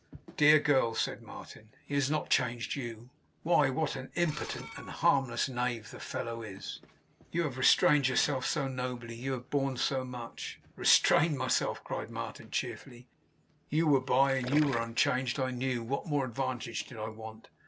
'Dear girl!' said Martin. 'He has not changed you. Why, what an impotent and harmless knave the fellow is!' 'You have restrained yourself so nobly! You have borne so much!' 'Restrained myself!' cried Martin, cheerfully. 'You were by, and were unchanged, I knew. What more advantage did I want?